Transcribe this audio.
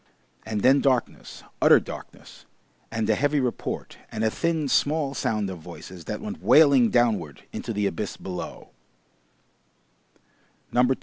And then darkness, utter darkness, and a heavy report and a thin small sound of voices that went wailing downward into the abyss below.